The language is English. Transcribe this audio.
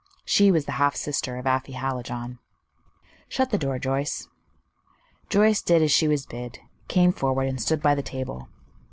She was the half sister of Afy Hallijohn. "Shut the door, Joyce." Joyce did as she was bid, came forward, and stood by the table.